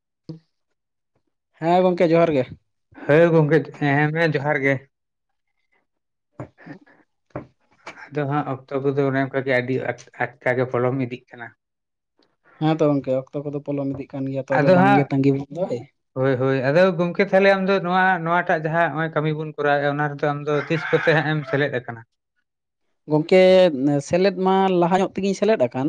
[inaudible] ᱦᱮᱸ ᱜᱚᱢᱠᱮ ᱡᱚᱦᱟᱨ ᱜᱮ ᱦᱮ ᱜᱚᱢᱠᱮ ᱦᱮᱸ ᱢᱮ ᱡᱚᱦᱟᱨ ᱜᱮ ᱟᱫᱚ ᱦᱟᱸᱜ ᱚᱠᱛᱚ ᱠᱚᱫᱚ ᱚᱱᱮ ᱚᱱᱠᱟᱜᱮ ᱟᱹᱰᱤ ᱟᱴᱠᱟ ᱜᱮ ᱯᱚᱞᱚᱢ ᱤᱫᱤᱜ ᱠᱟᱱᱟ ᱦᱮᱸ ᱛᱚ ᱜᱚᱢᱠᱮ ᱚᱠᱛᱚ ᱠᱚᱫᱚ ᱯᱚᱞᱚᱢ ᱤᱫᱤᱜ ᱠᱟᱱ ᱜᱮᱭᱟ ᱛᱚ ᱟᱫᱚ ᱵᱟᱝ ᱜᱮ ᱛᱟᱹᱸᱜᱤ ᱵᱚᱱ ᱫᱚᱭ ᱦᱳᱭ ᱦᱳᱭ ᱟᱫᱚ ᱜᱚᱢᱠᱮ ᱛᱟᱦᱚᱞᱮ ᱟᱢ ᱫᱚ ᱱᱚᱣᱟ ᱱᱚᱣᱟᱴᱟᱜ ᱡᱟᱦᱟᱸ ᱱᱚᱜ ᱚᱭ ᱠᱟᱹᱢᱤ ᱵᱚᱱ ᱠᱚᱨᱟᱣᱮᱫᱼᱟ ᱚᱱᱟ ᱨᱮ ᱟᱢ ᱫᱚ ᱛᱤᱥ ᱠᱚᱛᱮ ᱦᱟᱸᱜ ᱮᱢ ᱥᱮᱞᱮᱫ ᱟᱠᱟᱱᱟ ᱜᱚᱢᱠᱮ ᱥᱮᱞᱮᱫ ᱢᱟ ᱞᱟᱦᱟ ᱧᱚᱜ ᱛᱤᱜᱤᱧ ᱥᱮᱞᱮᱫ ᱟᱠᱟᱱ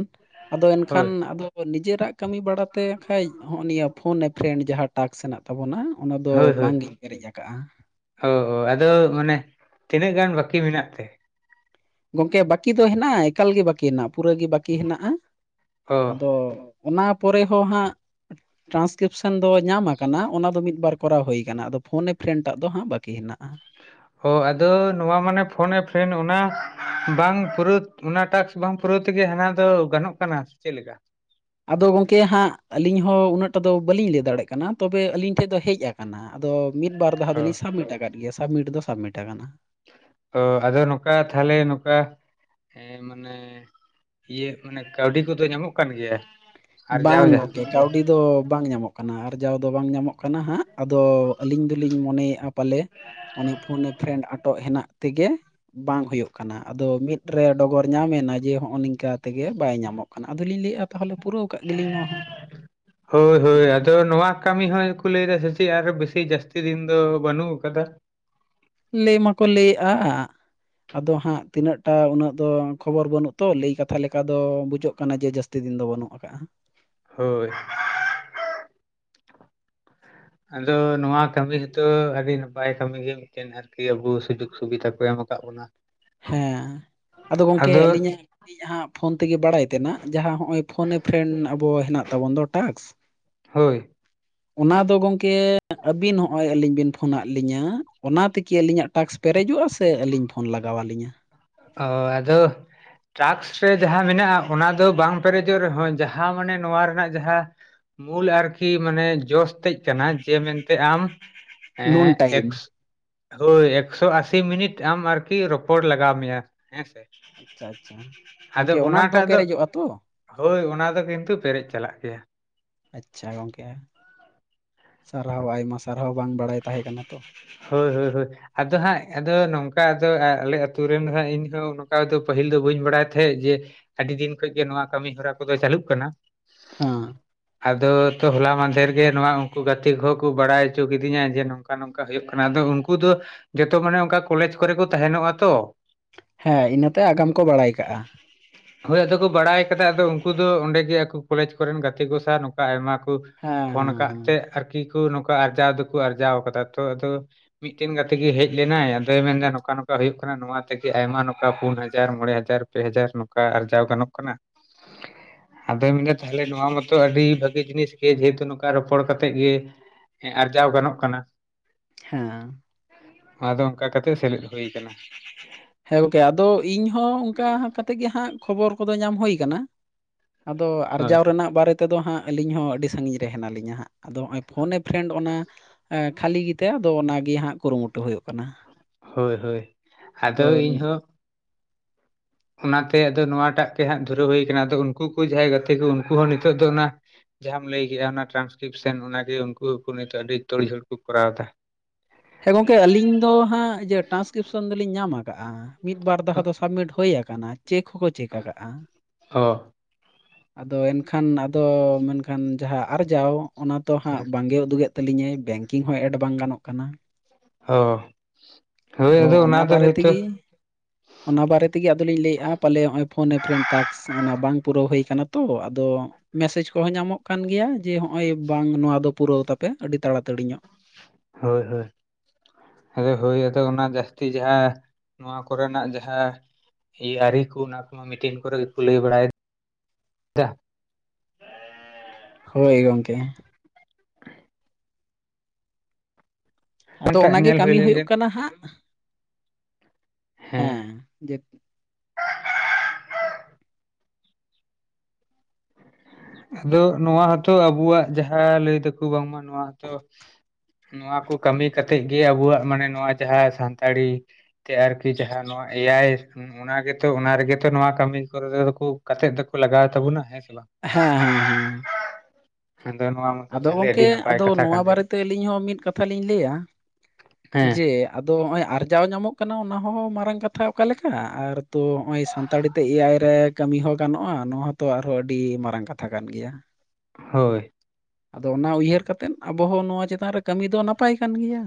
ᱟᱫᱚ ᱦᱳᱭ ᱮᱱᱠᱷᱟᱱ ᱟᱫᱚ ᱱᱤᱡᱮᱨᱟᱜ ᱠᱟᱹᱢᱤ ᱵᱟᱲᱟᱛᱮ ᱠᱷᱟᱱᱡ ᱩᱱᱤᱭᱟᱜ ᱯᱷᱳᱱ ᱮ ᱯᱷᱨᱮᱱᱰ ᱡᱟᱦᱟᱸ ᱴᱟᱠᱥ ᱢᱮᱱᱟᱜ ᱛᱟᱵᱚᱱᱟ ᱚᱱᱟ ᱫᱚ ᱦᱳᱭ ᱦᱳᱭ ᱵᱟᱝ ᱜᱤ ᱯᱮᱨᱮᱡ ᱟᱠᱟᱜᱼᱟ ᱚ ᱟᱫᱚ ᱢᱟᱱᱮ ᱛᱤᱱᱟᱹᱜ ᱜᱟᱱ ᱵᱟᱹᱠᱤ ᱢᱮᱱᱟᱜ ᱛᱮ ᱜᱚᱢᱠᱮ ᱵᱟᱹᱠᱤ ᱫᱚ ᱦᱮᱱᱟᱜᱼᱟ ᱮᱠᱟᱞ ᱜᱮ ᱵᱟᱹᱠᱤ ᱦᱮᱱᱟᱜᱼᱟ ᱯᱩᱨᱟᱹ ᱜᱮ ᱵᱟᱹᱠᱤ ᱦᱮᱱᱟᱜᱼᱟ ᱚ ᱟᱫᱚ ᱚᱱᱟ ᱯᱚᱨᱮ ᱦᱚᱸ ᱦᱟᱸᱜ ᱴᱨᱟᱱᱥᱠᱨᱤᱯᱥᱮᱱ ᱫᱚ ᱧᱟᱢᱟᱠᱟᱱᱟ ᱚᱱᱟ ᱫᱚ ᱢᱤᱫ ᱵᱟᱨ ᱠᱚᱨᱟᱣ ᱦᱩᱭᱟᱠᱟᱱᱟ ᱟᱫᱚ ᱯᱷᱳᱱᱮ ᱯᱷᱨᱮᱱᱴᱟᱜ ᱫᱚ ᱦᱟᱸᱜ ᱵᱟᱹᱠᱤ ᱦᱮᱱᱟᱜᱼᱟ ᱚ ᱟᱫᱚ ᱱᱚᱣᱟ ᱢᱟᱱᱮ ᱯᱷᱳᱱᱮ ᱯᱷᱨᱮᱱ ᱚᱱᱟ ᱵᱟᱝ ᱯᱩᱨᱟᱹ ᱚᱱᱟᱴᱟᱠᱥ ᱵᱟᱝ ᱯᱩᱨᱟᱹᱣ ᱛᱮᱜᱮ ᱦᱟᱱᱟ ᱫᱚ ᱜᱟᱱᱚᱜ ᱠᱟᱱᱟ ᱪᱮᱫ ᱞᱮᱠᱟ ᱟᱫᱚ ᱜᱚᱝᱠᱮ ᱦᱟᱸᱜ ᱟᱹᱞᱤᱧ ᱦᱚᱸ ᱩᱱᱟᱹᱜ ᱴᱟ ᱫᱚ ᱵᱟᱹᱞᱤᱧ ᱞᱟᱹᱭ ᱫᱟᱲᱮᱜ ᱠᱟᱱᱟ ᱛᱚᱵᱮ ᱟᱹᱞᱤᱧ ᱴᱷᱮᱡ ᱫᱚ ᱦᱮᱡ ᱟᱠᱟᱱᱟ ᱟᱫᱚ ᱢᱤᱫ ᱵᱟᱨ ᱫᱷᱟᱳ ᱚ ᱫᱚᱞᱤᱧ ᱥᱟᱵᱢᱤᱴ ᱟᱠᱟᱫ ᱜᱮᱭᱟ ᱥᱟᱵᱢᱤᱴ ᱫᱚ ᱥᱟᱵᱢᱤᱴ ᱟᱠᱟᱱᱟ ᱛ ᱟᱫᱚ ᱱᱚᱝᱠᱟ ᱛᱟᱦᱚᱞᱮ ᱱᱚᱝᱠᱟ ᱦᱮᱸ ᱤᱭᱟᱹ ᱢᱟᱱᱮ ᱠᱟᱹᱣᱰᱤ ᱠᱚᱫᱚ ᱧᱟᱢᱚᱜ ᱠᱟᱱ ᱜᱮᱭᱟ ᱟᱨᱡᱟᱣ ᱵᱟᱝ ᱡᱟᱦᱟᱸ ᱜᱚᱝᱠᱮ ᱠᱟᱹᱣᱰᱤ ᱫᱚ ᱵᱟᱝ ᱧᱟᱢᱚᱜ ᱠᱟᱱᱟ ᱟᱨᱡᱟᱣ ᱫᱚ ᱵᱟᱝ ᱧᱟᱢᱚᱜ ᱠᱟᱱᱟ ᱦᱟᱸᱜ ᱟᱫᱚ ᱟᱹᱞᱤᱧ ᱫᱚᱞᱤᱧ ᱢᱚᱱᱮᱭᱮᱼᱟ ᱯᱟᱞᱮ ᱚᱱᱮ ᱯᱷᱳᱱ ᱮ ᱯᱷᱨᱮᱱᱰ ᱟᱴᱚᱜ ᱦᱮᱱᱟᱜ ᱛᱮᱜᱮ ᱵᱟᱝ ᱦᱩᱭᱩᱜ ᱠᱟᱱᱟ ᱟᱫᱚ ᱢᱤᱫ ᱨᱮ ᱰᱚᱜᱚᱨ ᱧᱟᱢᱮᱱᱟ ᱡᱮ ᱦᱚ ᱱᱤᱝᱠᱟ ᱛᱮᱜᱮ ᱵᱟᱭ ᱧᱟᱢᱚᱜ ᱠᱟᱱᱟ ᱠᱷᱟᱱ ᱟᱫᱞᱤᱧ ᱞᱟᱹᱭᱮᱼᱟ ᱛᱟᱦᱚᱞᱮ ᱯᱩᱨᱟᱹᱣ ᱠᱟᱜ ᱜᱮᱞᱤᱧ ᱱᱚᱣᱟ ᱦᱚᱸ ᱦᱳᱭ ᱦᱳᱭ ᱟᱫᱚ ᱱᱚᱣᱟ ᱠᱟᱹᱢᱤ ᱦᱚᱸᱠᱚ ᱞᱟᱹᱭ ᱮᱫᱟ ᱥᱮ ᱪᱮᱫ ᱟᱨ ᱵᱮᱥᱤ ᱡᱟᱹᱥᱛᱤ ᱫᱤᱱ ᱫᱚ ᱵᱟᱹᱱᱩᱜ ᱟᱠᱟᱫᱟ ᱞᱟᱹᱭ ᱢᱟᱠᱚ ᱞᱟᱹᱭᱮᱜᱼᱟ ᱟᱫᱚ ᱦᱟᱸᱜ ᱛᱤᱱᱟᱹᱜ ᱴᱟ ᱩᱱᱟᱹᱜ ᱫᱚ ᱠᱷᱚᱵᱚᱨ ᱵᱟᱱᱩᱛᱚ ᱞᱟᱹᱭ ᱠᱟᱛᱷᱟ ᱞᱮᱠᱟ ᱫᱚ ᱵᱩᱡᱟᱹᱜ ᱠᱟᱱᱟ ᱡᱮ ᱡᱟᱹᱥᱛᱤ ᱫᱤᱱ ᱫᱚ ᱵᱟᱹᱱᱩᱜᱼᱟ [inaudible] ᱦᱳᱭ ᱟᱫᱚ ᱱᱚᱣᱟ ᱠᱟᱹᱢᱤ ᱨᱮᱛᱚ ᱟᱹᱰᱤ ᱱᱟᱯᱟᱭ ᱠᱟᱹᱢᱤᱜᱤ ᱢᱤᱫᱴᱮᱱ ᱟᱨᱠᱤ ᱟᱵᱩ ᱥᱩᱡᱳᱜ ᱥᱩᱵᱤᱛᱟ ᱠᱚ ᱮᱢ ᱟᱠᱟᱫ ᱵᱚᱱᱟ ᱦᱮᱸ ᱟᱫᱚ ᱜᱚᱢᱠᱮ ᱟᱹᱞᱤᱧᱟᱜᱞᱤᱧ ᱦᱟᱸᱜ ᱯᱷᱳᱱ ᱛᱮᱜᱮ ᱵᱟᱲᱟᱭ ᱛᱮᱱᱟᱜ ᱡᱟᱦᱟᱸᱜ ᱱᱚᱼᱚᱭ ᱯᱷᱳᱱ ᱮ ᱯᱷᱨᱮᱱᱰ ᱟᱵᱚ ᱦᱮᱱᱟᱜ ᱛᱟᱵᱚᱱ ᱫᱚ ᱴᱟᱠᱥᱠ ᱦᱳᱭ ᱚᱱᱟ ᱫᱚ ᱜᱚᱝᱠᱮ ᱟᱹᱵᱤᱱ ᱦᱚᱸᱜᱼᱚᱭ ᱟᱹᱞᱤᱧ ᱵᱤᱱᱳᱱ ᱯᱷᱳᱱᱟᱜ ᱞᱤᱧᱟᱹ ᱚᱱᱟ ᱛᱮᱜᱤ ᱟᱹᱞᱤᱧᱟᱜ ᱴᱟᱠᱥ ᱯᱮᱨᱮᱡᱚᱜᱼᱟ ᱥᱮ ᱟᱹᱞᱤᱧ ᱯᱷᱳᱱ ᱞᱟᱜᱟᱣ ᱟᱹᱞᱤᱧᱟᱹ ᱚ ᱟᱫᱚ ᱴᱟᱠᱥ ᱨᱮ ᱡᱟᱦᱟᱸ ᱢᱮᱱᱟᱜᱼᱟ ᱚᱱᱟ ᱫᱚ ᱵᱟᱝ ᱯᱮᱨᱮᱡᱚᱜ ᱨᱮᱦᱚᱸ ᱡᱟᱦᱟᱸ ᱢᱟᱱᱮ ᱱᱚᱣᱟ ᱨᱮᱱᱟᱜ ᱡᱟᱦᱟᱸ ᱢᱩᱞ ᱟᱨᱠᱤ ᱢᱟᱱᱮ ᱡᱚᱥ ᱛᱮᱡ ᱠᱟᱱᱟ ᱡᱮ ᱢᱮᱱᱛᱮ ᱟᱢ ᱱᱩᱱ ᱦᱮᱸ ᱴᱟᱭᱤᱢ ᱮᱠ ᱦᱳᱭ ᱮᱠᱥᱳ ᱟᱥᱤ ᱢᱤᱱᱤᱴ ᱟᱢ ᱟᱨᱠᱤ ᱨᱚᱯᱚᱲ ᱞᱟᱜᱟᱣ ᱢᱮᱭᱟ ᱦᱮᱸ ᱥᱮ ᱟᱪᱪᱷᱟ ᱟᱪᱪᱷᱟ ᱟᱫᱚ ᱜᱚᱝᱠᱮ ᱚᱱᱟ ᱨᱮᱫᱚ ᱚᱱᱟᱴᱟᱜ ᱫᱚ ᱯᱮᱨᱮᱡᱚᱜᱼᱟ ᱛᱚ ᱦᱳᱭ ᱚᱱᱟ ᱫᱚ ᱠᱤᱱᱛᱩ ᱯᱮᱨᱮᱡ ᱪᱟᱞᱟᱜ ᱜᱮᱭᱟ ᱟᱪᱪᱷᱟ ᱜᱚᱝᱠᱮ ᱥᱟᱨᱦᱟᱣ ᱟᱭᱢᱟ ᱥᱟᱨᱦᱟᱣ ᱵᱟᱝ ᱵᱟᱲᱟᱭ ᱛᱟᱦᱮᱸᱠᱟᱱᱟ ᱛᱚ ᱦᱳᱭ ᱦᱳᱭ ᱦᱳᱭ ᱟᱫᱚ ᱦᱟᱸᱜ ᱟᱫᱚ ᱱᱚᱝᱠᱟ ᱫᱚ ᱟᱨ ᱟᱞᱮ ᱟᱛᱩ ᱨᱮᱱ ᱦᱟᱸᱜ ᱤᱧ ᱦᱚ ᱱᱚᱝᱠᱟ ᱫᱚ ᱯᱟᱹᱦᱤᱞ ᱫᱚ ᱵᱟᱹᱧ ᱵᱟᱲᱟᱭ ᱛᱟᱦᱮᱸᱜ ᱡᱮ ᱟᱹᱰᱤ ᱫᱤᱱ ᱠᱷᱚᱡᱜᱮ ᱱᱚᱣᱟ ᱠᱟᱹᱢᱤ ᱦᱚᱨᱟ ᱠᱚᱫᱚ ᱪᱟᱹᱞᱩᱜ ᱠᱟᱱᱟ᱾ ᱚ ᱟᱫᱚ ᱛᱚ ᱦᱚᱞᱟ ᱢᱟᱫᱷᱮᱨ ᱜᱮ ᱱᱚᱣᱟ ᱩᱱᱠᱩ ᱜᱟᱛᱮ ᱠᱚᱦᱚᱸ ᱠᱚ ᱵᱟᱲᱟᱭ ᱪᱚ ᱠᱮᱫᱤ ᱫᱤᱧᱟ ᱡᱮ ᱱᱚᱝᱠᱟ ᱱᱚᱝᱠᱟ ᱦᱩᱭᱩᱜ ᱠᱟᱱᱟ ᱟᱫᱚ ᱩᱱᱠᱩ ᱫᱚ ᱡᱚᱛᱚ ᱢᱟᱱᱮ ᱚᱱᱠᱟ ᱠᱚᱞᱮᱡᱽ ᱠᱚᱨᱮ ᱠᱚ ᱛᱟᱦᱮᱱᱚᱜᱼᱟ ᱛᱚ᱾ ᱦᱮᱸ ᱤᱱᱟᱹᱛᱮ ᱟᱜᱟᱢ ᱠᱚ ᱵᱟᱲᱟᱭ ᱠᱟᱜᱼᱟ ᱦᱳᱭ ᱟᱫᱚ ᱠᱚ ᱵᱟᱲᱟᱭ ᱟᱠᱟᱫᱟ ᱟᱫᱚ ᱩᱱᱠᱩ ᱫᱚ ᱚᱸᱰᱮ ᱜᱮ ᱟᱠᱚ ᱠᱚᱞᱮᱡᱽ ᱠᱚᱨᱮᱱ ᱜᱟᱛᱮ ᱠᱚ ᱥᱟᱶ ᱱᱚᱝᱠᱟ ᱟᱭᱢᱟ ᱠᱚ ᱦᱮᱸ ᱦᱮᱸ ᱯᱷᱳᱱ ᱟᱠᱟᱫ ᱦᱮᱸ ᱛᱮ ᱟᱨᱠᱤ ᱠᱚ ᱱᱚᱝᱠᱟ ᱟᱨᱡᱟᱣ ᱫᱚᱠᱚ ᱟᱨᱡᱟᱣ ᱟᱠᱟᱫᱟ ᱛᱚ ᱟᱫᱚ ᱢᱤᱫᱴᱮᱱ ᱜᱟᱛᱮ ᱜᱮ ᱦᱮᱡ ᱞᱮᱱᱟᱭ ᱟᱫᱚᱭ ᱢᱮᱱᱫᱟ ᱱᱚᱝᱠᱟ ᱱᱚᱝᱠᱟ ᱦᱩᱭᱩᱜ ᱠᱟᱱᱟ ᱱᱚᱣᱟ ᱛᱮᱜᱮ ᱟᱭᱢᱟ ᱱᱚᱝᱠᱟ ᱯᱩᱱ ᱦᱟᱡᱟᱨ ᱢᱚᱬᱮ ᱦᱟᱡᱟᱨ ᱯᱮ ᱦᱟᱡᱟᱨ ᱱᱚᱝᱠᱟ ᱟᱨᱡᱟᱣ ᱜᱟᱱᱚᱜ ᱠᱟᱱᱟ ᱟᱫᱚᱭ ᱢᱮᱱᱫᱟ ᱛᱟᱦᱞᱮ ᱱᱚᱣᱟ ᱢᱟᱛᱚ ᱟᱹᱰᱤ ᱵᱷᱟᱹᱜᱤ ᱡᱤᱱᱤᱥ ᱜᱮ ᱡᱮᱦᱮᱛᱩ ᱱᱚᱝᱠᱟ ᱨᱚᱯᱚᱲ ᱠᱟᱛᱮᱮᱫ ᱜᱮ ᱦᱮᱸ ᱟᱨᱡᱟᱣ ᱜᱟᱱᱚᱜ ᱠᱟᱱᱟ ᱦᱮᱸ ᱟᱫᱚ ᱚᱝᱠᱟ ᱠᱟᱛᱮᱫ ᱥᱮᱞᱮᱫ ᱦᱩᱭ ᱠᱟᱱᱟ ᱦᱮᱸ ᱜᱚᱝᱠᱮ ᱟᱫᱚ ᱤᱧ ᱦᱚᱸ ᱚᱱᱠᱟ ᱠᱟᱛᱮᱫ ᱜᱮ ᱦᱟᱸᱜ ᱠᱷᱚᱵᱚᱨ ᱠᱚᱫᱚ ᱧᱟᱢ ᱦᱩᱭᱠᱟᱱᱟ ᱟᱫᱚ ᱦᱳᱭ ᱟᱨᱡᱟᱣ ᱨᱮᱱᱟᱜ ᱵᱟᱨᱮ ᱛᱮᱫᱚ ᱦᱟᱸᱜ ᱟᱹᱞᱤᱧ ᱦᱚᱸ ᱟᱹᱰᱤ ᱥᱟᱹᱜᱤᱧ ᱨᱮ ᱦᱱᱟᱞᱤᱧᱟ ᱦᱟᱸᱜ ᱟᱫᱚ ᱦᱚᱜ-ᱚᱭ ᱯᱷᱳᱱᱮ ᱯᱷᱨᱮᱱᱰ ᱚᱱᱟ ᱮ ᱠᱷᱟᱹᱞᱤ ᱜᱮᱛᱮ ᱟᱫᱚ ᱚᱱᱟᱜᱤ ᱦᱟᱸᱜ ᱠᱩᱨᱩᱢᱩᱴᱩ ᱦᱩᱭᱩᱜ ᱠᱟᱱᱟ ᱦᱳᱭ ᱦᱳᱭ ᱟᱫᱚ ᱤᱧ ᱦᱚᱸ ᱚᱱᱟᱛᱮ ᱟᱫᱚ ᱱᱚᱣᱟᱴᱟᱜ ᱜᱮ ᱦᱟᱸᱜ ᱫᱷᱩᱨᱟᱹᱣ ᱦᱩᱭ ᱠᱟᱱᱟ ᱟᱫᱚ ᱩᱱᱠᱩ ᱠᱩ ᱡᱟᱦᱟᱸᱭ ᱜᱟᱛᱮ ᱠᱩ ᱩᱱᱠᱩ ᱦᱚᱸ ᱱᱤᱛᱚᱜ ᱫᱚ ᱚᱱᱟ ᱡᱟᱦᱟᱸᱟᱢ ᱞᱟᱹᱭ ᱠᱮ-ᱟ ᱚᱱᱟ ᱴᱨᱟᱱᱥᱠᱨᱤᱯᱥᱮᱱ ᱚᱱᱟᱜᱮ ᱩᱱᱠᱩ ᱦᱚᱸᱠᱩ ᱱᱤᱛᱚᱜ ᱟᱹᱰᱤ ᱛᱳᱲ ᱡᱷᱳᱲ ᱠᱚ ᱠᱚᱨᱟᱣ ᱫᱟ ᱦᱮᱸ ᱜᱚᱝᱠᱮ ᱟᱹᱞᱤᱧ ᱫᱚ ᱦᱟᱸᱜ ᱤᱭᱟᱹ ᱴᱨᱟᱱᱥᱠᱨᱤᱯᱥᱚᱱ ᱫᱚᱞᱤᱧ ᱧᱟᱢ ᱟᱠᱟᱜ-ᱟ ᱢᱤᱫ ᱵᱟᱨ ᱫᱟᱦᱟ ᱫᱚ ᱥᱟᱵᱢᱤᱴ ᱦᱳᱭ ᱟᱠᱟᱱᱟ ᱪᱮᱠ ᱦᱚᱸᱠᱚ ᱪᱮᱠ ᱟᱠᱟᱜ-ᱟ ᱚ ᱟᱫᱚ ᱮᱱᱠᱷᱟᱱ ᱟᱫᱚ ᱢᱮᱱᱠᱷᱟᱱ ᱡᱟᱦᱟ ᱟᱨᱡᱟᱣ ᱚᱱᱟ ᱛᱚ ᱦᱟᱸᱜ ᱵᱟᱝᱜᱮ ᱩᱫᱩᱜᱮᱫ ᱛᱟᱹᱞᱤᱧᱟᱹᱭ ᱵᱮᱝᱠᱤᱝ ᱦᱚᱸ ᱮᱰ ᱵᱟᱝ ᱜᱟᱱᱚᱜ ᱠᱟᱱᱟ ᱚ ᱦᱳᱭ ᱟᱫᱚ ᱚᱱᱟ ᱫᱚ ᱦᱳᱭᱛᱳ ᱚᱱᱟ ᱵᱟᱨᱮ ᱛᱮᱜᱮ ᱟᱫᱚᱞᱤᱧ ᱞᱟᱹᱭᱮ-ᱟ ᱯᱟᱞᱮ ᱱᱚᱜᱚᱭ ᱯᱷᱳᱱ ᱮ ᱯᱷᱨᱮᱱ ᱴᱟᱠᱥ ᱚᱱᱟ ᱵᱟᱝ ᱯᱩᱨᱟᱹᱣ ᱦᱩᱭ ᱠᱟᱱᱟ ᱛᱚ ᱟᱫᱚ ᱢᱮᱥᱮᱡᱽ ᱠᱚᱦᱚᱸ ᱧᱟᱢᱚᱜ ᱠᱟᱱ ᱜᱮᱭᱟ ᱡᱮ ᱦᱸᱚᱜ-ᱚᱭ ᱵᱟᱝ ᱱᱚᱣᱟ ᱫᱚ ᱯᱩᱨᱟᱹᱣ ᱛᱟᱯᱮ ᱟᱹᱰᱤ ᱛᱟᱲᱟᱛᱟᱹᱲᱤ ᱧᱚᱜ ᱦᱳᱭ ᱦᱳᱭ ᱟᱫᱚ ᱦᱩᱭ ᱟᱫᱚ ᱚᱱᱟ ᱡᱟᱹᱥᱛᱤ ᱡᱟᱦᱟᱸ ᱱᱚᱣᱟ ᱠᱚᱨᱮᱱᱟᱜ ᱡᱟᱦᱟᱸ ᱮ ᱟᱹᱨᱤ ᱠᱚ ᱚᱱᱟ ᱠᱚ ᱢᱟ ᱢᱴᱤᱱ ᱠᱚᱨᱮ ᱜᱮᱠᱚ ᱞᱟᱹᱭ ᱵᱟᱲᱟᱭᱮᱫ ᱦᱳᱭ ᱜᱚᱝᱠᱮ ᱟᱫᱚ ᱚᱱᱟᱴᱟᱜ ᱚᱱᱟᱜᱮ ᱧᱮᱞ ᱦᱩᱭ ᱠᱟᱹᱢᱤ ᱞᱮᱱᱜᱮ ᱦᱩᱭᱩᱜ ᱠᱟᱱᱟ ᱦᱟᱸᱜ ᱦᱮᱸ ᱡᱮ ᱟᱫᱚ ᱱᱚᱣᱟ ᱦᱚᱸᱛᱚ ᱟᱵᱚᱣᱟᱜ ᱡᱟᱦᱟᱸ ᱞᱟᱹᱭ ᱫᱟᱠᱩ ᱵᱟᱝᱢᱟ ᱱᱚᱣᱟ ᱦᱚᱛᱚ ᱱᱚᱣᱟ ᱠᱚ ᱠᱟᱹᱢᱤ ᱠᱟᱛᱮᱜ ᱜᱮ ᱟᱵᱚᱣᱟᱜ ᱢᱟᱱᱮ ᱱᱚᱣᱟ ᱡᱟᱦᱟᱸ ᱥᱟᱱᱛᱟᱲᱤ ᱛᱮ ᱟᱨᱠᱤ ᱡᱟᱦᱟᱸ ᱱᱚᱣᱟ ᱮ ᱟᱭ ᱚᱱᱟᱜᱮᱛᱚ ᱚᱱᱟ ᱨᱮᱜᱮᱛᱚ ᱱᱚᱣᱟ ᱠᱟᱹᱢᱤ ᱠᱚᱫᱚᱠᱩ ᱠᱟᱛᱮᱫ ᱫᱚᱠᱚ ᱞᱟᱜᱟᱣ ᱛᱟᱵᱚᱱᱟ ᱦᱮᱸ ᱥᱮ ᱵᱟᱝ ᱦᱮᱸ ᱦᱮᱸ ᱦᱮᱸ ᱟᱫᱚ ᱱᱚᱣᱟ ᱢᱚᱛᱚ ᱟᱫᱚ ᱛᱟᱦᱚᱞᱮ ᱟᱹᱰᱤ ᱜᱚᱢᱠᱮ ᱱᱟᱯᱟᱭ ᱟᱫᱚ ᱠᱟᱛᱷᱟ ᱱᱚᱣᱟ ᱠᱟᱱ ᱜᱮ ᱵᱟᱨᱮᱛᱮ ᱟᱹᱞᱤᱧ ᱦᱚᱸ ᱢᱤᱫ ᱠᱟᱛᱷᱟ ᱞᱤᱧ ᱞᱟᱹᱭᱟ ᱦᱮᱸ ᱡᱮ ᱟᱫᱚ ᱦᱚᱜ-ᱚᱭ ᱟᱨᱡᱟᱣ ᱧᱟᱢᱚᱜ ᱠᱟᱱᱟ ᱚᱱᱟ ᱦᱚᱸ ᱢᱟᱨᱟᱝ ᱠᱟᱛᱷᱟ ᱚᱠᱟ ᱞᱮᱠᱟ ᱟᱨ ᱛᱚ ᱱᱚᱜ-ᱚᱭ [unintelligible] ᱥᱟᱲᱟᱛᱟᱲᱤ ᱛᱮ ᱮ ᱟᱭ ᱨᱮ ᱠᱟᱹᱢᱤ ᱦᱚᱸ ᱜᱟᱱᱚᱜ-ᱟ ᱱᱚᱣᱟᱦᱚᱛᱚ ᱟᱨᱦᱚᱸ ᱟᱹᱰᱤ ᱢᱟᱨᱟᱝ ᱠᱟᱛᱷᱟ ᱠᱟᱱ ᱜᱮᱭᱟ ᱦᱳᱭ ᱟᱫᱚ ᱚᱱᱟ ᱩᱭᱦᱟᱹᱨ ᱠᱟᱛᱮᱫ ᱟᱵᱚ ᱦᱚᱸ ᱱᱚᱣᱟ ᱪᱮᱛᱟᱱ ᱨᱮ ᱠᱟᱹᱢᱤ ᱫᱚ ᱱᱟᱯᱟᱭ ᱠᱟᱱ ᱜᱮᱭᱟ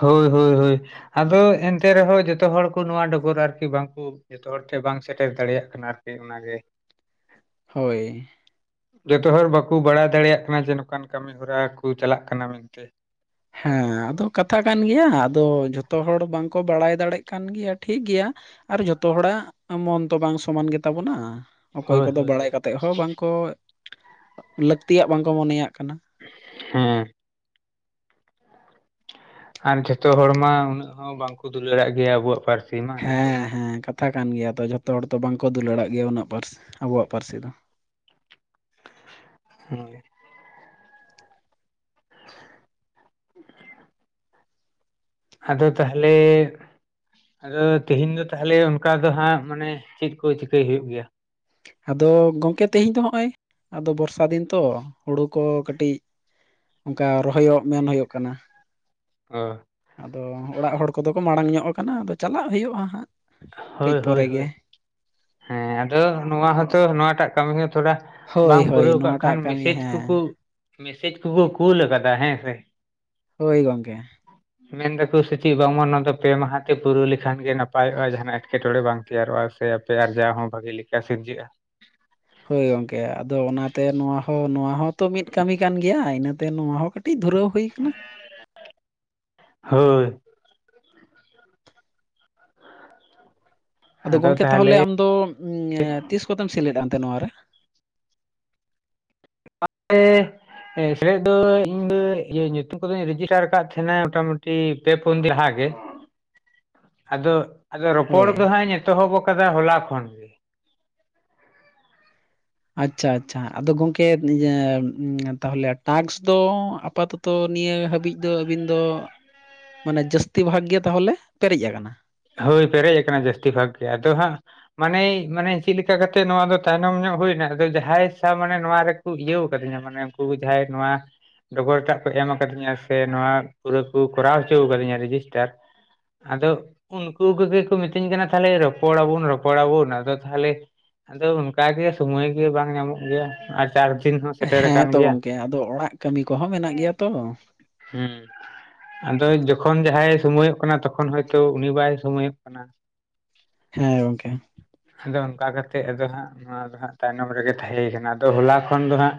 ᱦᱳᱭ ᱦᱳᱭ ᱦᱳᱭ ᱟᱫᱚ ᱮᱱᱛᱮ ᱨᱮᱦᱚᱸ ᱡᱚᱛᱚ ᱦᱚᱲ ᱠᱚ ᱱᱚᱣᱟ ᱰᱚᱜᱚᱨ ᱟᱨᱠᱤ ᱵᱟᱝᱠᱚ ᱡᱚᱛᱚ ᱦᱚᱲ ᱴᱷᱮ ᱵᱟᱝ ᱥᱮᱴᱮᱨ ᱫᱟᱲᱮᱭᱟᱜ ᱠᱟᱱᱟ ᱟᱨᱠᱤ ᱚᱱᱟᱜᱮ ᱦᱳᱭ ᱡᱚᱛᱚ ᱦᱚᱲ ᱵᱟᱠᱚ ᱵᱟᱲᱟᱭ ᱫᱟᱲᱮᱭᱟᱜ ᱠᱟᱱᱟ ᱡᱮ ᱱᱚᱠᱟᱱ ᱠᱟᱹᱢᱤ ᱦᱚᱨᱟ ᱠᱚ ᱪᱟᱞᱟᱜ ᱠᱟᱱᱟ ᱢᱮᱱᱛᱮ ᱦᱮᱸ ᱟᱫᱚ ᱠᱟᱛᱷᱟ ᱠᱟᱱ ᱜᱮᱭᱟ ᱟᱫᱚ ᱡᱷᱚᱛᱚ ᱦᱚᱲ ᱵᱟᱝᱠᱚ ᱵᱟᱲᱟᱭ ᱫᱟᱲᱮᱜ ᱠᱟᱱ ᱜᱮᱭᱟ ᱴᱷᱤᱠ ᱜᱮᱭᱟ ᱟᱨ ᱡᱚᱛᱚ ᱦᱚᱲᱟᱜ ᱢᱚᱱ ᱛᱚ ᱵᱟᱝ ᱥᱚᱢᱟᱱ ᱜᱮᱛᱟ ᱵᱚᱱᱟ ᱚᱠᱚᱭ ᱦᱳᱭ ᱠᱚᱫᱚ ᱦᱳᱭ ᱵᱟᱲᱟᱭ ᱦᱳᱭ ᱠᱟᱛᱮᱜ ᱦᱚᱸ ᱵᱟᱝᱠᱚ ᱞᱟᱹᱠᱛᱤᱭᱟᱜ ᱵᱟᱝᱠᱚ ᱢᱚᱱᱮᱭᱟᱜ ᱠᱟᱱᱟ ᱦᱩᱸ ᱟᱨ ᱡᱷᱚᱛᱚ ᱦᱚᱲ ᱢᱟ ᱩᱱᱟᱹᱜ ᱦᱚᱸ ᱵᱟᱝᱠᱚ ᱫᱩᱞᱟᱹᱲᱟᱜ ᱜᱮᱭᱟ ᱟᱵᱚᱣᱟᱜ ᱯᱟᱹᱨᱥᱤ ᱢᱟ ᱱᱤᱛᱚᱜ ᱦᱮᱸ ᱢᱟ ᱦᱮᱸ ᱠᱟᱛᱷᱟ ᱠᱟᱱ ᱜᱮᱭᱟ ᱛᱚ ᱡᱷᱚᱛᱚ ᱦᱚᱲ ᱛᱚ ᱵᱟᱝᱠᱚ ᱫᱩᱞᱟᱹᱲᱟᱜ ᱜᱮᱭᱟ ᱩᱱᱟᱹᱜ ᱯᱟᱹᱨᱥᱤ ᱟᱵᱚᱣᱟᱜ ᱯᱟᱹᱨᱥᱤ ᱫᱚ ᱦᱳᱭ ᱟᱫᱚ ᱛᱟᱦᱞᱮ ᱟᱫᱚ ᱛᱮᱦᱤᱧ ᱫᱚ ᱛᱟᱦᱞᱮ ᱚᱱᱠᱟ ᱫᱚ ᱦᱟᱸᱜ ᱢᱟᱱᱮ ᱪᱮᱫ ᱠᱚ ᱪᱤᱠᱟᱹᱭ ᱦᱩᱭᱩᱜ ᱜᱮᱭᱟ ᱟᱫᱚ ᱜᱚᱢᱠᱮ ᱛᱮᱦᱮᱧ ᱫᱚ ᱦᱚᱜ-ᱚᱭ ᱟᱫᱚ ᱵᱚᱨᱥᱟ ᱫᱤᱱ ᱛᱚ ᱦᱳᱲᱳ ᱠᱚ ᱠᱟᱹᱴᱤᱡ ᱚᱝᱠᱟ ᱨᱚᱦᱚᱭᱚᱜ ᱢᱮᱱ ᱦᱳᱭᱳᱜ ᱠᱟᱱᱟ ᱚ ᱟᱫᱚ ᱚᱲᱟᱜ ᱦᱚᱲ ᱠᱚᱫᱚ ᱠᱚ ᱢᱟᱲᱟᱝ ᱧᱚᱜ ᱟᱠᱟᱱᱟ ᱟᱫᱚ ᱪᱟᱞᱟᱜ ᱦᱩᱭᱩᱜ-ᱟ ᱦᱟᱸᱜ ᱠᱟᱹᱡ ᱦᱳᱭ ᱦᱳᱭ ᱯᱚᱨᱮ ᱜᱮ ᱦᱳᱭ ᱦᱮᱸ ᱟᱫᱚ ᱱᱚᱣᱟ ᱦᱚᱸᱛᱚ ᱱᱚᱣᱟᱴᱟᱜ ᱠᱟᱹᱢᱤ ᱦᱚᱸ ᱛᱷᱚᱲᱟ ᱦᱳᱭ ᱵᱟᱝ ᱦᱳᱭ ᱯᱩᱨᱟᱹᱣ ᱠᱟᱜ ᱠᱷᱟᱱ ᱱᱚᱣᱟᱴᱟᱜ ᱠᱟᱹᱢᱤ ᱢᱮᱥᱮᱡᱽ ᱠᱩᱠᱩ ᱦᱮᱸ ᱢᱮᱥᱮᱡᱽ ᱠᱩᱠᱩ ᱠᱩᱞ ᱟᱠᱟᱫᱟ ᱦᱮᱸᱥᱮ ᱦᱳᱭ ᱜᱚᱝᱠᱮ ᱢᱮᱱ ᱫᱟᱠᱚ ᱥᱮ ᱪᱮᱫ ᱵᱟᱝᱢᱟ ᱱᱚᱣᱟ ᱫᱚ ᱯᱮ ᱢᱟᱦᱟ ᱛᱮ ᱯᱩᱨᱟᱹᱣ ᱞᱮᱠᱷᱟᱱ ᱜᱮ ᱱᱟᱯᱟᱭ ᱡᱟᱦᱱᱟᱜ ᱮᱸᱴᱠᱮᱴᱚᱬᱮ ᱵᱟᱝ ᱛᱮᱭᱟᱨᱚᱜᱼᱟ ᱥᱮ ᱟᱯᱮ ᱟᱨᱡᱟᱣ ᱦᱚᱸ ᱵᱷᱟᱹᱜᱤ ᱞᱮᱠᱟ ᱥᱤᱨᱡᱟᱹᱜᱼᱟ ᱦᱳᱭ ᱜᱚᱝᱠᱮ ᱟᱫᱚ ᱚᱱᱟᱛᱮ ᱱᱚᱣᱟ ᱦᱚᱸ ᱱᱚᱣᱟ ᱦᱚᱸᱛᱚ ᱢᱤᱫ ᱠᱟᱹᱢᱤ ᱠᱟᱱ ᱜᱮᱭᱟ ᱤᱱᱟᱹᱛᱮ ᱱᱚᱣᱟ ᱦᱚᱸ ᱠᱟᱹᱤᱡ ᱠᱟᱹᱴᱤᱡ ᱫᱷᱩᱨᱟᱹᱣ ᱦᱩᱭ ᱟᱠᱟᱱᱟ ᱦᱳᱭ ᱟᱫᱚ ᱜᱚᱢᱠᱮ ᱛᱟᱦᱚᱞᱮ ᱟᱢᱫᱚ ᱛᱤᱥ ᱠᱚᱛᱮᱢ ᱥᱮᱞᱮᱫᱼᱟ ᱮᱱᱛᱮ ᱱᱚᱣ ᱨᱮ ᱟ ᱮ ᱥᱮᱞᱮᱫ ᱫᱚ ᱤᱧ ᱫᱚ ᱧᱩᱛᱩᱢ ᱠᱚᱫᱚᱧ ᱨᱮᱡᱤᱥᱴᱟᱨ ᱟᱠᱟᱫ ᱛᱟᱦᱮᱸᱱᱟ ᱢᱚᱴᱟᱢᱩᱴᱤ ᱯᱮ ᱯᱩᱱ ᱫᱤᱱ ᱞᱟᱦᱟ ᱜᱮ ᱟᱫᱚ ᱟᱫᱚ ᱨᱚᱯᱚᱲ ᱦᱳᱭ ᱫᱚᱦᱟᱸᱜ ᱤᱧ ᱮᱛᱚᱦᱚᱵ ᱟᱠᱟᱫᱟ ᱦᱚᱞᱟ ᱠᱷᱚᱱ ᱾ ᱟᱪᱪᱷᱟ ᱟᱪᱪᱷᱟ ᱟᱫᱚ ᱜᱚᱝᱠᱮᱤᱭᱟᱹ ᱛᱟᱦᱚᱞᱮ ᱴᱠᱥ ᱫᱚ ᱟᱯᱟᱛ ᱛᱚ ᱱᱤᱭᱟᱹ ᱦᱟᱹᱵᱤᱡ ᱫᱚ ᱟᱹᱵᱤᱱ ᱫᱚ ᱢᱟᱱᱮ ᱡᱟᱹᱥᱛᱤ ᱵᱷᱟᱜᱽ ᱜᱮ ᱛᱟᱦᱚᱞᱮ ᱯᱮᱨᱮᱡ ᱟᱠᱟᱱᱟ ᱦᱳᱭ ᱯᱮᱨᱮᱡ ᱟᱠᱟᱱᱟ ᱡᱟᱹᱥᱛᱤ ᱵᱷᱟᱜᱽ ᱜᱮ ᱟᱫᱚ ᱦᱟᱸᱜ ᱢᱟᱱᱮ ᱢᱟᱱᱮ ᱪᱮᱫᱞᱠᱟ ᱠᱟᱛᱮᱜ ᱱᱚᱣᱟ ᱫᱚ ᱛᱟᱭᱱᱚᱢ ᱧᱚᱜ ᱦᱩᱭᱱᱟ ᱟᱫᱚ ᱡᱟᱦᱟᱸᱭ ᱥᱟ ᱢᱟᱱᱮ ᱱᱚᱣᱟ ᱨᱮ ᱤᱭᱟᱹᱣ ᱟᱠᱟᱫᱤᱧᱟ ᱢᱟᱱᱮ ᱩᱱᱠᱩ ᱡᱟᱦᱟᱸᱭ ᱱᱚᱣᱟ ᱰᱚᱠᱚᱨᱴᱟᱜ ᱠᱚ ᱮᱢ ᱟᱠᱟᱫᱤᱧᱟ ᱥᱮ ᱱᱚᱣᱟ ᱯᱩᱨᱟᱹ ᱠᱚ ᱠᱚᱨᱟᱣ ᱦᱚᱪᱚ ᱟᱠᱟᱫᱤᱧᱟ ᱨᱮᱡᱤᱥᱴᱟᱨ ᱟᱫᱚ ᱩᱱᱠᱩ ᱠᱚᱜᱮ ᱠᱚ ᱢᱤᱛᱟᱹᱧ ᱠᱟᱱᱟ ᱛᱟᱦᱚᱞᱮ ᱨᱚᱯᱚᱲ ᱟᱵᱚᱱ ᱨᱚᱯᱚᱲᱟᱵᱚᱱ ᱟᱫᱚ ᱛᱟᱦᱚᱞᱮ ᱟᱫᱚ ᱚᱱᱠᱟᱜᱮ ᱥᱚᱢᱚᱭ ᱜᱮ ᱵᱟᱝ ᱧᱟᱢᱚᱜ ᱜᱮᱭᱟ ᱪᱟᱨ ᱡᱤᱧ ᱦᱚᱸ ᱥᱮᱴᱮᱨ ᱦᱮᱸ ᱟᱠᱟᱱ ᱛᱚ ᱜᱮᱭᱟ ᱜᱚᱝᱠᱮ ᱟᱫᱚ ᱚᱲᱟᱜ ᱠᱟᱹᱢᱤ ᱠᱚᱦᱚᱸ ᱢᱮᱱᱟᱜ ᱜᱮᱭᱟ ᱛᱚ ᱦᱮᱸ ᱟᱫᱚ ᱡᱚᱠᱷᱚᱱ ᱡᱟᱦᱟᱸᱭ ᱥᱩᱢᱚᱭᱚᱜ ᱠᱟᱱᱟ ᱛᱚᱠᱷᱚᱱ ᱦᱚᱳᱭᱛᱳ ᱩᱱᱤ ᱵᱟᱭ ᱥᱚᱢᱚᱭᱚᱜ ᱠᱟᱱᱟ ᱦᱮᱸ ᱜᱚᱝᱠᱮ ᱟᱫᱚ ᱚᱱᱠᱟ ᱠᱟᱛᱮᱜ ᱟᱫᱚ ᱦᱟᱸᱜ ᱱᱚᱣᱟ ᱫᱚ ᱦᱟᱸᱜ ᱛᱟᱭᱱᱚᱢ ᱨᱮᱜᱮ ᱛᱟᱦᱮᱸᱭ ᱠᱟᱱᱟ ᱟᱫᱚ ᱦᱚᱞᱟ ᱠᱷᱚᱱ ᱫᱚ ᱦᱟᱸᱜ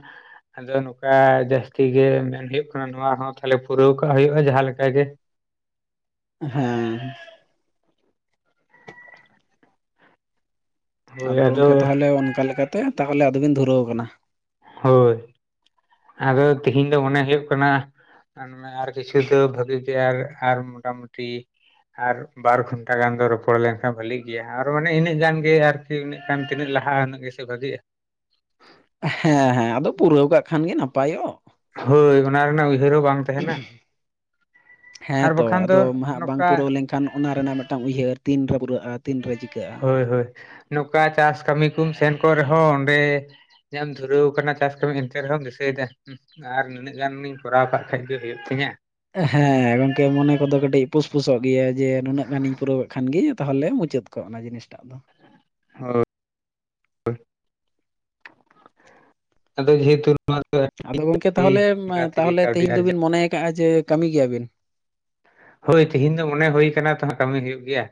ᱟᱫᱚ ᱱᱚᱝᱠᱟ ᱡᱟᱹᱥᱛᱤ ᱜᱮ ᱢᱮᱱ ᱦᱩᱭᱩᱜ ᱠᱟᱱᱟ ᱱᱚᱣᱟ ᱦᱚᱸ ᱛᱟᱦᱚᱞᱮ ᱯᱩᱨᱟᱹᱣ ᱠᱟᱜ ᱦᱩᱭᱩᱜᱼᱟ ᱡᱟᱦᱟᱸ ᱞᱮᱠᱟ ᱜᱮ ᱦᱮᱸ ᱟᱫᱚ ᱜᱚᱝᱠᱮ ᱛᱟᱦᱚᱞᱮ ᱚᱱᱠᱟ ᱞᱮᱠᱟᱛᱮ ᱛᱟᱦᱚᱞᱮ ᱟᱫᱚᱵᱮᱱ ᱫᱷᱩᱨᱟᱹᱣ ᱟᱠᱟᱱᱟ ᱦᱳᱭ ᱟᱫᱚ ᱛᱮᱤᱦᱤᱧ ᱫᱚ ᱢᱚᱱᱮ ᱦᱩᱭᱩᱜ ᱠᱟᱱᱟ ᱟᱨ ᱟᱨ ᱠᱤᱪᱷᱩ ᱫᱚ ᱵᱷᱟᱜᱤ ᱜᱮ ᱟᱨ ᱟᱨ ᱢᱚᱴᱟ ᱢᱩᱴᱤ ᱟᱨ ᱵᱟᱨ ᱜᱷᱚᱱᱴᱟ ᱜᱟᱱ ᱫᱚ ᱨᱚᱯᱚᱲ ᱞᱮᱱᱠᱷᱟᱱ ᱵᱷᱟᱹᱞᱤᱜ ᱜᱮᱭᱟ ᱟᱨ ᱢᱟᱱᱮ ᱤᱱᱟᱹᱜ ᱜᱟᱱ ᱜᱮ ᱟᱨᱠᱤ ᱤᱱᱟᱹᱜ ᱜᱟᱱ ᱛᱤᱱᱟᱹᱜ ᱞᱟᱦᱟ ᱩᱱᱟᱹᱜ ᱜᱮ ᱵᱷᱟᱹᱜᱤᱼᱟ ᱦᱮᱸ ᱦᱮᱸ ᱟᱫᱚ ᱯᱩᱨᱟᱹᱣ ᱠᱟᱜ ᱠᱷᱟᱱ ᱜᱮ ᱱᱟᱯᱟᱭᱚᱜ ᱦᱳᱭ ᱚᱱᱟ ᱨᱮᱱᱟᱜ ᱩᱭᱦᱟᱹᱨ ᱦᱚᱸ ᱵᱟᱝ ᱛᱟᱦᱮᱱᱟ ᱟᱨ ᱵᱟᱠᱷᱟᱱ ᱫᱚ ᱱᱚᱝᱠᱟ ᱮᱱᱠᱷᱟᱱ ᱚᱱᱟ ᱨᱮᱱᱟᱜ ᱢᱤᱫᱴᱟᱝ ᱩᱭᱦᱟᱹᱨ ᱛᱤᱱ ᱨᱮ ᱯᱩᱨᱟᱹᱜᱼᱟ ᱛᱤᱱ ᱨᱮ ᱪᱤᱠᱟᱹ ᱦᱳᱭ ᱦᱳᱭ ᱱᱚᱝᱠᱟ ᱪᱟᱥ ᱠᱟᱹᱢᱤ ᱠᱚᱢ ᱥᱮᱱ ᱠᱚᱜ ᱨᱮᱦᱚᱸ ᱚᱸᱰᱮ ᱡᱟᱢ ᱫᱷᱩᱨᱟᱹᱣ ᱟᱠᱟᱱᱟ ᱠᱟᱱᱟ ᱪᱟᱥ ᱠᱟᱹᱢᱤ ᱮᱱᱛᱮ ᱨᱮᱦᱚᱢ ᱫᱤᱥᱟᱹᱭᱮᱫᱟ ᱟᱨ ᱱᱤᱱᱟᱹᱜ ᱜᱟᱱᱤᱧ ᱠᱚᱨᱟᱣ ᱠᱟᱜ ᱠᱷᱟᱱᱡ ᱜᱮ ᱦᱩᱭᱩᱜ ᱛᱤᱧᱟᱹ ᱦᱮᱸ ᱜᱚᱝᱠᱮ ᱢᱚᱱᱮ ᱠᱚᱫᱚ ᱠᱟᱹᱴᱤᱡ ᱯᱩᱥᱯᱩᱥᱚᱜ ᱜᱮᱭᱟ ᱡᱮ ᱱᱩᱱᱟᱹᱜ ᱜᱟᱱᱤᱧ ᱯᱩᱨᱟᱹᱣ ᱠᱟᱜ ᱠᱷᱟᱱ ᱜᱮ ᱛᱟᱦᱚᱞᱮ ᱢᱩᱪᱟᱹᱫ ᱠᱚᱜᱼᱟ ᱚᱱᱟ ᱡᱤᱱᱤᱥᱴᱟᱜ ᱫᱚ ᱟᱫᱚ ᱡᱮᱼᱼ ᱢᱟ ᱛᱚᱵᱮ ᱟᱫᱚ ᱜᱚᱝᱠᱮ ᱛᱟᱦᱚᱞᱮ ᱛᱟᱦᱚᱞᱮ ᱛᱮᱦᱤᱧ ᱟᱨᱡᱟᱜ ᱫᱚᱵᱤᱱ ᱢᱚᱱᱮ ᱟᱠᱟᱟᱜᱼᱟ ᱡᱮ ᱠᱟᱹᱢᱤ ᱜᱮᱭᱟᱵᱮᱱ ᱦᱳᱭ ᱛᱮᱤᱦᱤᱧ ᱫᱚ ᱢᱚᱱᱮ ᱦᱩᱭ ᱠᱟᱱᱟ ᱛᱚ ᱠᱟᱹᱢᱤ ᱦᱩᱭᱩᱜ ᱜᱮᱭᱟ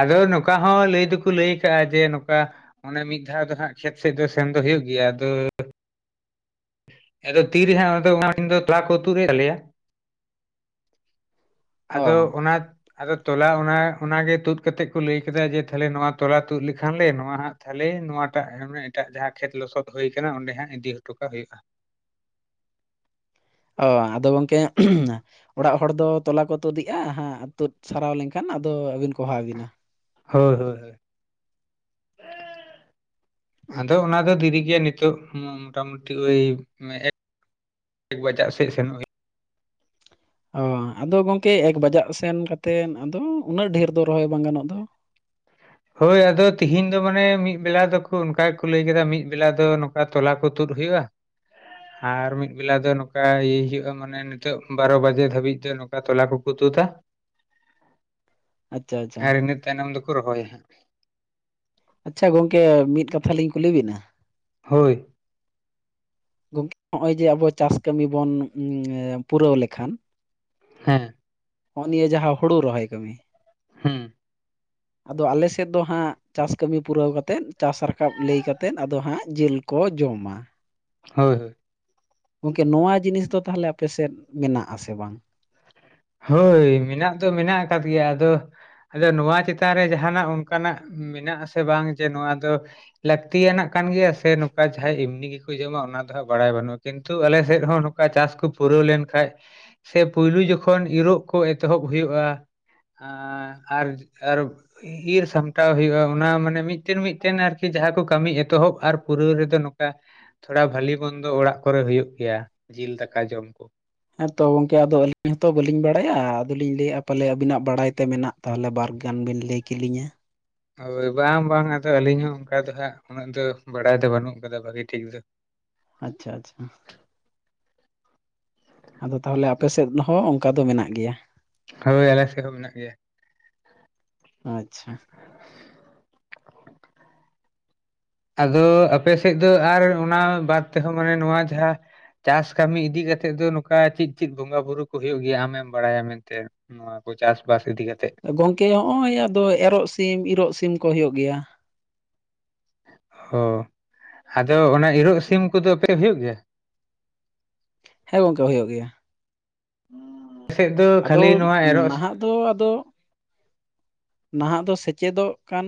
ᱟᱫᱚ ᱱᱚᱝᱠᱟ ᱦᱚᱸ ᱞᱟᱹᱭ ᱫᱚᱠᱚ ᱞᱟᱹᱭ ᱠᱟᱜᱼᱟ ᱡᱮ ᱱᱚᱝᱠᱟ ᱚᱱᱮ ᱢᱤᱫ ᱫᱷᱟᱣ ᱫᱚ ᱦᱟᱸᱜ ᱠᱷᱮᱛ ᱥᱮᱡ ᱫᱚ ᱥᱮᱱ ᱫᱚ ᱦᱩᱭᱩᱜ ᱜᱮᱭᱟ ᱟᱫᱚ ᱟᱫᱚ ᱛᱤᱨᱮᱦᱟᱸ ᱟᱫᱚ ᱚᱱᱟᱠᱤᱱ ᱛᱚᱞᱟ ᱠᱚ ᱛᱩ ᱮ ᱛᱟᱞᱮᱭᱟ ᱚ ᱟᱫᱚ ᱚᱱᱟ ᱟᱫᱚ ᱛᱚᱞᱟ ᱚᱱᱟ ᱚᱱᱟᱜᱮ ᱛᱩᱫ ᱠᱟᱛᱮᱜ ᱠᱚ ᱞᱟᱹᱭ ᱠᱮᱫᱟ ᱡᱮ ᱛᱟᱦᱞᱮ ᱱᱚᱣᱟ ᱛᱚᱞᱟ ᱛᱩᱫ ᱞᱮᱠᱷᱟᱱ ᱞᱮ ᱱᱚᱣᱟ ᱦᱟᱸ ᱛᱟᱦᱚᱞᱮ ᱱᱚᱣᱟᱴᱟᱜ ᱮᱴᱟᱜ ᱡᱟᱦᱟᱸ ᱠᱷᱮᱛ ᱞᱚᱥᱚᱫ ᱦᱩ ᱟᱠᱟᱱᱟ ᱚᱸᱰᱮ ᱦᱟᱸ ᱤᱫᱤ ᱦᱚᱴᱚ ᱠᱟᱜ ᱦᱩᱭᱩᱜᱼᱟ ᱚ ᱟᱫᱚ ᱜᱚᱝᱠᱮ [unintelligible] ᱚᱲᱟᱜ ᱦᱚᱲ ᱫᱚ ᱛᱚᱞᱟ ᱠᱚ ᱛᱳᱫᱮᱜᱼᱟ ᱦᱟᱸᱜ ᱛᱳᱫ ᱥᱟᱨᱟᱣ ᱞᱮᱝᱠᱷᱟᱱ ᱟᱫᱚ ᱟᱹᱵᱤᱱ ᱠᱚ ᱦᱚᱦᱚᱭᱟᱵᱤᱱᱟ ᱦᱳᱭ ᱦᱳᱭ ᱦᱳᱭ [inaudible] ᱟᱫᱚ ᱚᱱᱟ ᱫᱚ ᱫᱤᱨᱤ ᱜᱮ ᱱᱤᱛᱚᱜ ᱢᱚᱴᱟᱢᱩᱴᱤ ᱳᱭ [unintelligible] ᱮᱠ ᱵᱟᱡᱟᱜ ᱥᱮᱜ ᱥᱮᱱᱚᱜ ᱜᱮ ᱚ ᱟᱫᱚ ᱜᱚᱝᱠᱮ ᱮᱠ ᱵᱟᱡᱟᱜ ᱥᱮᱱ ᱠᱟᱛᱮᱱ ᱟᱫᱚ ᱩᱱᱟᱹᱜ ᱰᱷᱮᱨ ᱫᱚ ᱨᱚᱦᱚᱭ ᱵᱟᱝ ᱜᱟᱱᱚᱜ ᱫᱚ ᱦᱳᱭ ᱟᱫᱚ ᱛᱤᱦᱤᱧ ᱫᱚ ᱢᱟᱱᱮ ᱢᱤᱜ ᱵᱮᱞᱟ ᱫᱚᱠᱚ ᱚᱱᱠᱟ ᱜᱮᱠᱚ ᱞᱟᱹᱭ ᱠᱮᱫᱟ ᱢᱤᱜ ᱵᱮᱞᱟ ᱫᱚ ᱚᱨ ᱛᱚᱞᱟ ᱠᱚ ᱛᱩᱰ ᱦᱩᱭᱩᱜᱼᱟ ᱟᱨ ᱢᱤᱜ ᱵᱮᱞᱟ ᱫᱚ ᱱᱚᱠᱟᱭ ᱦᱤᱭᱩᱜᱼᱟ ᱢᱟᱱᱮ ᱱᱤᱛᱚᱜ ᱵᱟᱨᱚ ᱵᱟᱡᱮ ᱫᱷᱟᱹᱵᱤᱡ ᱫᱚ ᱛᱚᱞᱟ ᱠᱚᱠᱚ ᱛᱩᱫᱟ ᱟᱪᱪᱷᱟ ᱟᱪᱪᱷᱟ ᱟᱨ ᱤᱱᱟᱹ ᱛᱟᱭᱱᱚᱢ ᱫᱚᱠᱚ ᱨᱚᱦᱚᱭᱟ ᱦᱟᱸᱜ ᱟᱪᱪᱷᱟ ᱜᱚᱝᱠᱮ ᱢᱤᱫ ᱠᱟᱛᱷᱟ ᱞᱤᱧ ᱠᱩᱞᱤ ᱵᱤᱱᱟ ᱦᱳᱭ ᱜᱚᱝᱠᱮ ᱱᱚᱜᱼᱚᱭ ᱡᱮ ᱟᱵᱚ ᱪᱟᱥ ᱠᱟᱹᱢᱤ ᱵᱚᱱ ᱯᱩᱨᱟᱹᱣ ᱞᱮᱠᱷᱟᱱ ᱦᱮᱸ ᱦᱚᱸᱜ ᱱᱤᱭᱟᱹ ᱡᱟᱦᱟᱸ ᱦᱳᱲᱳ ᱨᱚᱦᱚᱭ ᱠᱟᱹᱢᱤ ᱦᱩᱸ ᱟᱫᱚ ᱟᱞᱮᱥᱮᱫ ᱫᱚ ᱦᱟᱸᱜ ᱪᱟᱥ ᱠᱟᱹᱢᱤ ᱯᱩᱨᱟᱹᱣ ᱠᱟᱛᱮᱫ ᱪᱟᱥ ᱨᱟᱠᱟᱵ ᱞᱮᱭ ᱠᱟᱛᱮᱫ ᱟᱫᱚ ᱦᱟᱸᱜ ᱡᱮᱞ ᱠᱚ ᱡᱚᱢᱟ ᱦᱳᱭ ᱦᱳᱭ ᱜᱚᱝᱠᱮ ᱱᱚᱣᱟ ᱡᱤᱱᱤᱥ ᱫᱚ ᱛᱟᱦᱚᱞᱮ ᱟᱯᱮ ᱥᱮᱫ ᱢᱮᱱᱟᱜ ᱟᱥᱮ ᱵᱟᱝ ᱦᱳᱭ ᱢᱮᱱᱟᱜ ᱫᱚ ᱢᱮᱱᱟᱜ ᱟᱠᱟᱫ ᱜᱮᱭᱟ ᱟᱫᱚ ᱟᱫᱚ ᱱᱚᱣᱟ ᱪᱮᱛᱟᱱ ᱨᱮ ᱡᱟᱦᱟᱱᱟᱜ ᱚᱱᱠᱟᱱᱟᱜ ᱢᱮᱱᱟᱜ ᱟᱥᱮ ᱵᱟᱝ ᱡᱮ ᱱᱚᱣᱟ ᱫᱚ ᱞᱟᱹᱠᱛᱤᱭᱟᱱᱟᱜ ᱠᱟᱱ ᱜᱮᱭᱟ ᱥᱮ ᱱᱚᱠᱟ ᱡᱟᱦᱟᱸᱭ ᱮᱢᱱᱤ ᱜᱮᱠᱚ ᱡᱚᱢᱟ ᱚᱱᱟ ᱫᱚ ᱦᱟᱸᱜ ᱵᱟᱲᱟᱭ ᱵᱟᱹᱱᱩᱜ ᱠᱤᱱᱛᱩ ᱟᱞᱮ ᱥᱮᱫ ᱦᱚᱸ ᱱᱚᱠᱟ ᱪᱟᱥ ᱠᱚ ᱯᱩᱨᱟᱹᱣ ᱞᱮᱱᱠᱟᱱᱡ ᱥᱮ ᱯᱩᱭᱞᱩ ᱡᱚᱠᱷᱚᱱ ᱠᱷᱚᱱ ᱤᱨᱚᱜ ᱠᱚ ᱮᱛᱚᱦᱚᱵ ᱦᱩᱭᱩᱜᱼᱟ ᱟ ᱟᱨ [unintelligible] ᱤᱨ ᱥᱟᱢᱴᱟᱣ ᱦᱩᱭᱩᱜᱼᱟ ᱚᱱᱟ ᱢᱟᱱᱮ ᱢᱤᱫᱴᱮᱱ ᱢᱤᱫᱴᱮᱱ ᱟᱨᱠᱤ ᱡᱟᱦᱟᱸ ᱠᱚ ᱠᱟᱹᱢᱤ ᱮᱛᱚᱦᱚᱵ ᱟᱨ ᱯᱩᱨᱟᱹᱣ ᱨᱮᱫᱚ ᱱᱚᱠᱟ ᱛᱷᱚᱲᱟ ᱵᱷᱟᱞᱤ ᱵᱚᱱᱫᱚ ᱚᱲᱟᱜ ᱠᱚᱨᱮᱜ ᱦᱳᱭᱳᱜ ᱜᱮᱭᱟ ᱡᱤᱞ ᱫᱟᱠᱟ ᱡᱚᱢ ᱠᱚ ᱦᱮᱸ ᱛᱚ ᱜᱚᱝᱠᱮ ᱟᱫᱚ ᱟᱹᱞᱤᱧ ᱦᱚᱸᱛᱚ ᱵᱟᱹᱞᱤᱧ ᱵᱟᱲᱟᱭᱟ ᱟᱫᱚᱞᱤᱧ ᱞᱮᱭᱮᱜᱼᱟ ᱯᱟᱞᱮ ᱟᱵᱤᱱᱟᱜ ᱵᱟᱲᱟᱭ ᱛᱮ ᱢᱮᱱᱟᱜ ᱛᱟᱦᱚᱞᱮ ᱵᱟᱨᱜᱟᱱ ᱵᱤᱱ ᱞᱟᱹᱭ ᱠᱤᱞᱤᱧᱟ ᱦᱳᱭ ᱵᱟᱝ ᱵᱟᱝ ᱟᱫᱚ ᱟᱹᱞᱤᱧ ᱦᱚᱸ ᱚᱝᱠᱟ ᱫᱚ ᱦᱟᱸᱜ ᱩᱱᱟᱹᱜ ᱫᱚ ᱵᱟᱲᱟᱭ ᱫᱚ ᱵᱟᱹᱱᱩᱜ ᱠᱟᱫᱟ ᱵᱷᱟᱜᱤ ᱴᱷᱤᱠ ᱫᱚ ᱟᱪᱪᱷᱟ ᱟᱪᱪᱷᱟ ᱟᱫᱚ ᱛᱟᱦᱚᱞᱮ ᱟᱯᱮᱥᱮᱫ ᱦᱚᱸ ᱚᱝᱠᱟ ᱫᱚ ᱢᱮᱱᱟᱜ ᱜᱮᱭᱟ ᱦᱳᱭ ᱟᱞᱮ ᱥᱮᱫ ᱦᱚᱸ ᱢᱮᱱᱟᱜ ᱜᱮᱭᱟ ᱟᱪᱪᱷᱟ ᱟᱫᱚ ᱟᱯᱮ ᱥᱮᱫ ᱫᱚ ᱟᱨ ᱚᱱᱟ ᱵᱟᱫ ᱛᱮᱦᱚᱸ ᱢᱟᱱᱮ ᱱᱚᱣᱟ ᱡᱟᱦᱟᱸ ᱪᱟᱥ ᱠᱟᱹᱢᱤ ᱤᱫᱤ ᱠᱟᱛᱮᱜ ᱫᱚ ᱱᱚᱠᱟ ᱪᱤᱫ ᱪᱤᱫ ᱵᱚᱸᱜᱟ ᱵᱩᱨᱩ ᱠᱚ ᱦᱩᱭᱩᱜ ᱜᱮᱭᱟ ᱟᱢᱮᱢ ᱵᱟᱲᱟᱭᱟ ᱢᱮᱱᱛᱮ ᱱᱚᱣᱟ ᱠᱚ ᱪᱟᱥ ᱵᱟᱥ ᱤᱫᱤ ᱠᱟᱛᱮᱜ ᱜᱚᱝᱠᱮ ᱦᱚᱜᱼᱚᱭ ᱟᱫᱚ ᱮᱨᱚᱜ ᱥᱤᱢ ᱤᱨᱚᱜ ᱥᱤᱢ ᱠᱚ ᱦᱳᱭᱳᱜ ᱜᱮᱭᱟ ᱚ ᱟᱫᱚ ᱚᱱᱟ ᱤᱨᱚᱜ ᱥᱤᱢ ᱠᱚᱫᱚᱯᱮ ᱦᱩᱭᱩᱜ ᱜᱮᱭᱟ ᱦᱮᱸ ᱜᱚᱝᱠᱮ ᱦᱳᱭᱳᱜ ᱜᱮᱭᱟ ᱟᱯᱮ ᱥᱮᱫ ᱫᱚ ᱟᱫᱚ ᱠᱷᱟᱹᱞᱤ ᱱᱚᱣᱟ ᱮᱨᱚᱜ ᱱᱟᱦᱟᱜ ᱫᱚ ᱟᱫᱚ ᱱᱟᱦᱟᱜ ᱫᱚ ᱥᱮᱪᱮᱫᱚᱜ ᱠᱟᱱ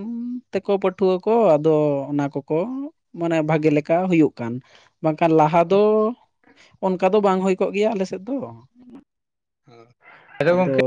ᱛᱮᱠᱚ ᱯᱟᱹᱴᱷᱩᱣᱟᱹ ᱠᱚ ᱟᱫᱚ ᱚᱱᱟ ᱠᱚᱠᱚ ᱢᱟᱱᱮ ᱵᱷᱟᱜᱮ ᱞᱮᱠᱟ ᱦᱳᱭᱳᱜ ᱠᱟᱱ ᱵᱟᱝᱠᱷᱟᱱ ᱞᱟᱦᱟ ᱫᱚ ᱚᱱᱠᱟ ᱫᱚ ᱵᱟᱝ ᱦᱩᱭ ᱠᱚᱜ ᱜᱮᱭᱟ ᱟᱞᱮᱥᱮᱫ ᱫᱚ ᱟᱫᱚ ᱜᱚᱝᱠᱮ